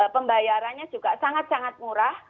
pembayarannya juga sangat sangat murah